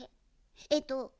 えっと。